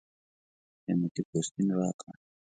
قېمتي پوستین راکړ.